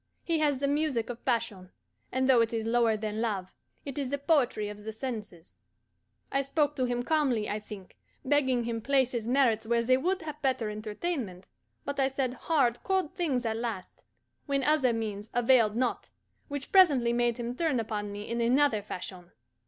He has the music of passion, and though it is lower than love, it is the poetry of the senses. I spoke to him calmly, I think, begging him place his merits where they would have better entertainment; but I said hard, cold things at last, when other means availed not; which presently made him turn upon me in another fashion.